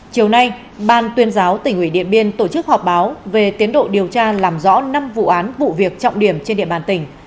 chiều nay ban tuyên giáo tỉnh ủy điện biên tổ chức họp báo về tiến độ điều tra làm rõ năm vụ án vụ việc trọng điểm trên địa bàn tỉnh